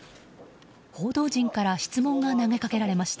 報道陣から質問が投げかけられました。